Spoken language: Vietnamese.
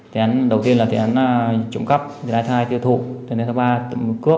tiền án đầu tiên là tiền án trụng cấp tiền án hai tiêu thụ tiền án ba tự cướp